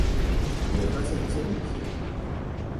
也发现一些问题